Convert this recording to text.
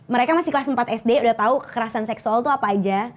mereka masih kelas empat sd udah tahu kekerasan seksual itu apa aja